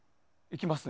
いきます。